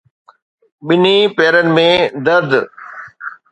ٻنهي پيرن ۾ درد